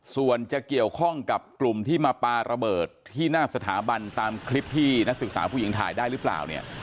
ส่วนจะเกี่ยวข้องกับกลุ่มที่มาปลาระเบิดที่หน้าสถาบันตามคลิปที่นักศึกษาผู้หญิงถ่ายได้หรือเปล่าเนี่ย